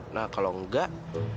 nah kalau enggak